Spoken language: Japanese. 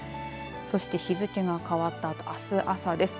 そして日付が変わったあとあす朝です。